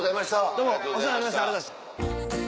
どうもお世話になりました。